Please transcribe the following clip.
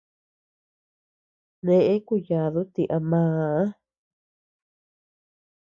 Neʼe kuyadu ti a maa.